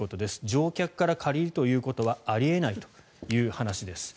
乗客から借りるということはあり得ないという話です。